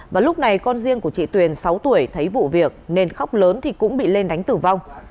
và lúc này con riêng của chị tuyền sáu tuổi thấy vụ việc nên khóc lớn thì cũng bị lên đánh tử vong